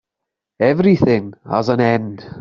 Everything has an end.